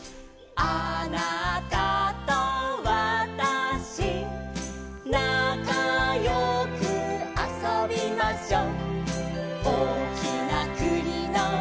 「あなたとわたしなかよくあそびましょう」